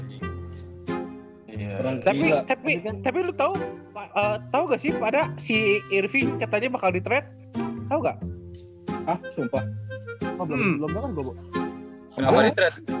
tapi tapi tapi lu tahu tahu nggak sih pada si irvin katanya bakal ditread tahu nggak ah sumpah